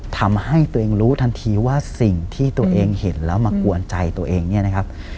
ทำให้ตัวเองรู้ทันทีว่าสิ่งที่ตัวเองเห็นแล้วมากวนใจตัวเองเนี่ยนะครับ